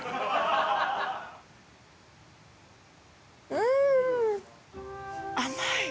うん甘い